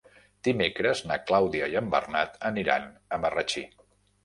Dimecres na Clàudia i en Bernat aniran a Marratxí.